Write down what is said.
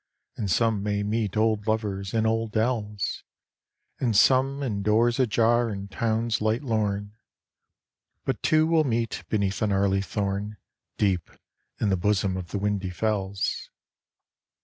And some may meet old lovers in old dells, And some in doors ajar in towns light lorn ;— But two will meet beneath a gnarly thorn Deep in the bosom of the windy fells.